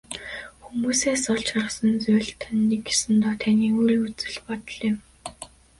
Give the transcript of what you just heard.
Хүмүүсээс олж харсан зүйл тань нэг ёсондоо таны өөрийн үзэл бодол юм.